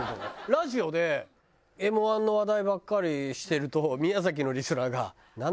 ラジオで『Ｍ−１』の話題ばっかりしてると宮崎のリスナーが。